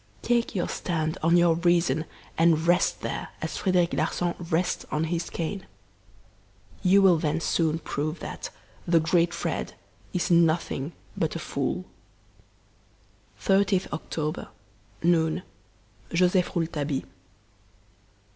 Take your stand on your reason and rest there as Frederic Larsan rests on his cane. You will then soon prove that the great Fred is nothing but a fool. 30th October. Noon. JOSEPH ROULETABILLE."